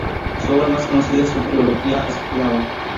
Su obra más conocida es su "Trilogía eslava.